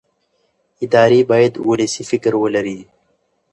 ادارې باید ولسي فکر ولري